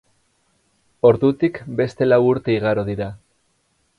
Ordutik beste lau urte igaro dira.